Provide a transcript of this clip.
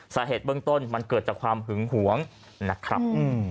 สาเหตุเบื้องต้นมันเกิดจากความหึงหวงนะครับ